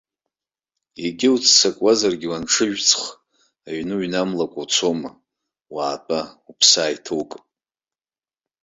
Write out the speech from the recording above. Егьа уццакуазаргьы, уанҽыжәҵх, аҩны уҩнамлакәа уцома, уаатәа, уԥсы ааиҭоукып.